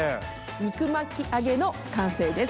肉巻き揚げの完成です。